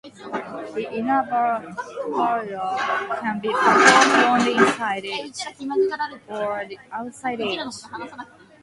The Ina Bauer can be performed on the inside edge or the outside edge.